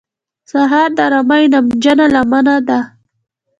سهار د آرامۍ نمجنه لمبه ده.